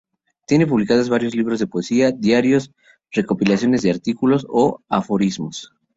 Tiene publicados varios libros de poesía, diarios, recopilaciones de artículos o aforismos.